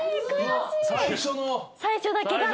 最初だけが。